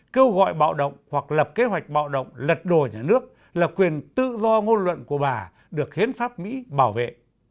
kêu gọi bạo động hoặc lập kế hoạch bạo động lật đổ nhà nước là quyền tự do ngôn luận của bà được khiến pháp mỹ bảo vệ